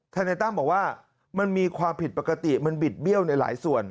นายตั้มบอกว่ามันมีความผิดปกติมันบิดเบี้ยวในหลายส่วน